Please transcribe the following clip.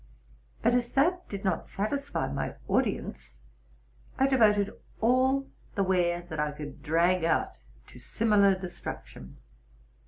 But, as that did not satisfy my audi ence, I devoted all the ware that I could drag out to similar destruction.